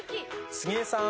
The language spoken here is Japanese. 杉江さん。